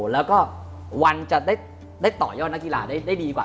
แล้วก็วันจะได้ต่อยอดนักกีฬาได้ดีกว่า